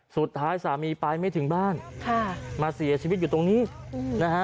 สุดท้ายสามีไปไม่ถึงบ้านค่ะมาเสียชีวิตอยู่ตรงนี้นะฮะ